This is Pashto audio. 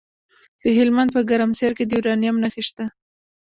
د هلمند په ګرمسیر کې د یورانیم نښې شته.